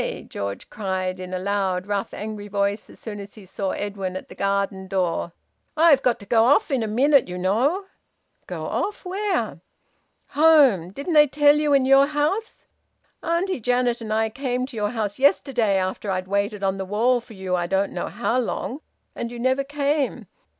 George cried, in a loud, rough, angry voice, as soon as he saw Edwin at the garden door. "I've got to go off in a minute, you know." "Go off? Where?" "Home. Didn't they tell you in your house? Auntie Janet and I came to your house yesterday, after I'd waited on the wall for you I don't know how long, and you never came.